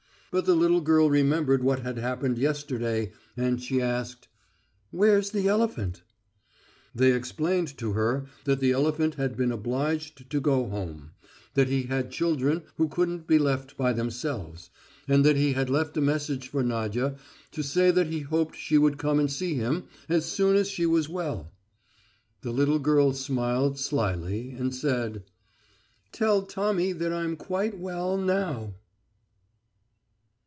But the little girl remembered what had happened yesterday, and she asked: "Where's the elephant?" They explained to her that the elephant had been obliged to go home, that he had children who couldn't be left by themselves, but that he had left a message for Nadya to say that he hoped she would come and see him as soon as she was well. The little girl smiled slyly and said: "Tell Tommy that I'm quite well now."